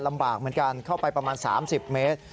ลำบากเหมือนกันเข้าไปประมาณ๓๐เมตร